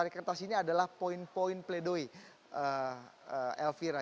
dari kertas ini adalah poin poin pledoi elvira